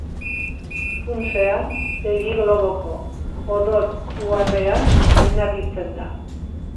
Funtsean, begi-globoko odol-uharrean oinarritzen da.